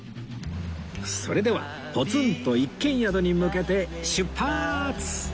それではポツンと一軒宿に向けて出発！